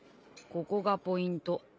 「ここがポイント」